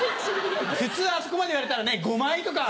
普通あそこまで言われたらね５枚とか。